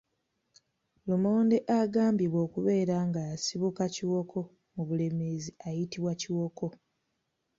Lumonde agambibwa okubeera nga yasibuka Kiwoko mu Bulemeezi ayitibwa Kiwoko.